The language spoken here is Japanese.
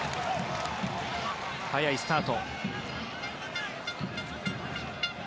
速いスタート。